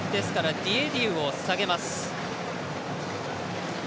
ディエディウを下げます。